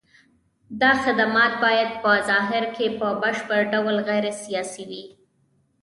دا خدمات باید په ظاهر کې په بشپړ ډول غیر سیاسي وي.